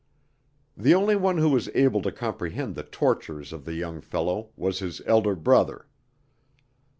The only one who was able to comprehend the tortures of the young fellow was his elder brother.